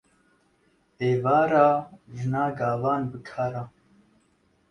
Êvar e jina gavan bi kar e